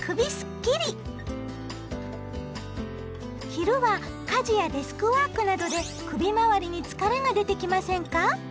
昼は家事やデスクワークなどで首まわりに疲れが出てきませんか？